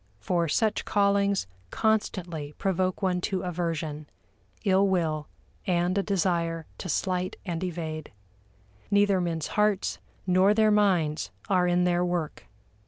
For such callings constantly provoke one to aversion, ill will, and a desire to slight and evade. Neither men's hearts nor their minds are in their work.